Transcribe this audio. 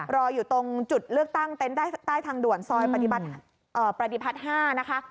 รออยู่ตรงจุดเลือกตั้งเต็นต์ใต้ทางด่วนซอยปฏิพัฒน์๕นะคะ